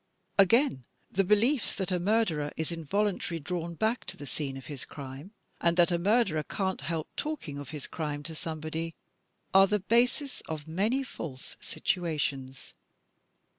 Again the beliefs that "a murderer is involimtarily drawn back to the scene of his crime," and that "a murderer can't help talking of his crime to somebody," are the basis of many false situations.